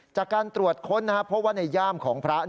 จากการตรวจค้นนะครับเพราะว่าในย่ามของพระ